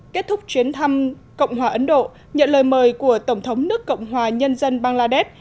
kết thúc chuyến thăm cộng hòa ấn độ nhận lời mời của tổng thống nước cộng hòa nhân dân bangladesh